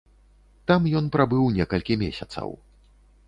Там ён прабыў некалькі месяцаў.